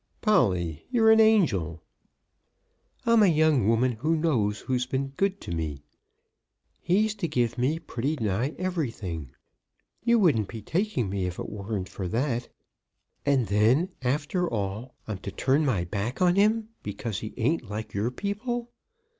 "Polly, you're an angel!" "I'm a young woman who knows who's been good to me. He's to give me pretty nigh everything. You wouldn't be taking me if it wasn't for that. And then, after all, I'm to turn my back on him because he ain't like your people.